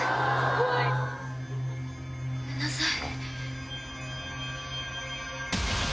ごめんなさい。